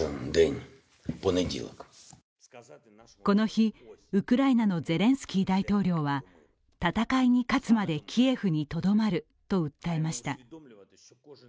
この日、ウクライナのゼレンスキー大統領は戦いに勝つまでキエフにとどまると訴えました。